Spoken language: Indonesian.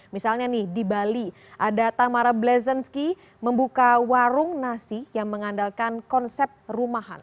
misalnya nih di bali ada tamara blazzensky membuka warung nasi yang mengandalkan konsep rumahan